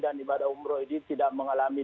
dan ibadah umroh ini tidak mengalami